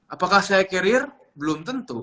apakah saya carrier belum tentu